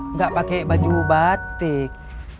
nggak pakai baju batik